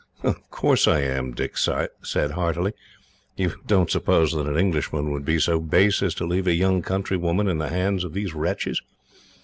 "Of course I am," Dick said heartily. "You don't suppose that an Englishman would be so base as to leave a young countrywoman in the hands of these wretches?